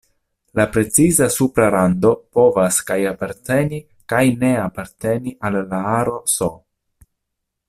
La preciza supra rando povas kaj aparteni kaj ne aparteni al la aro "S".